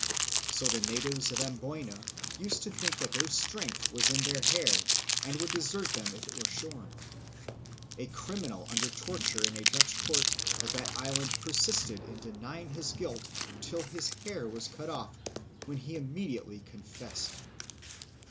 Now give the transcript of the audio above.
So the natives of Amboyna used to think that their strength was in their hair and would desert them if it were shorn. A criminal under torture in a Dutch Court of that island persisted in denying his guilt till his hair was cut off, when he immediately confessed.